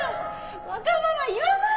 わがまま言わないで